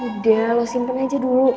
udah lo simpen aja dulu